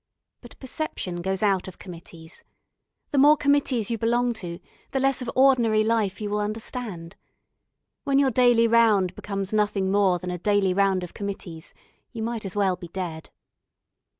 But perception goes out of committees. The more committees you belong to, the less of ordinary life you will understand. When your daily round becomes nothing more than a daily round of committees you might as well be dead.